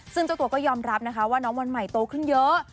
ซึ่งเจ้าตัวก็ยอมรับนะคะว่าน้องวันใหม่โตขึ้นเยอะ